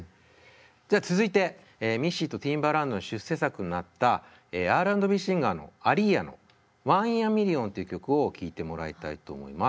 じゃあ続いてミッシーとティンバランドの出世作になったＲ＆Ｂシンガーのアリーヤの「ＯｎｅＩｎａＭｉｌｌｉｏｎ」っていう曲を聴いてもらいたいと思います。